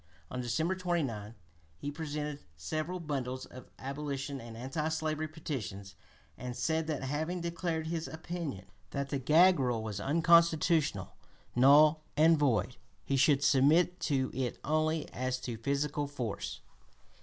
On December 29 he "presented several bundles of abolition and anti slavery petitions," and said that, having declared his opinion that the gag rule was unconstitutional, null, and void, he should "submit to it only as to physical force."